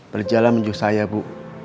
berjalan menuju saya bu